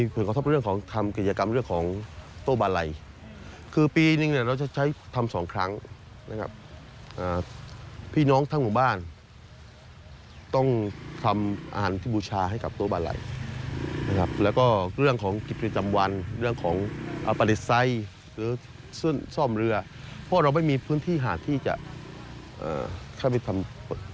เพราะเราไม่มีพื้นที่หาที่จะเข้าไปทำ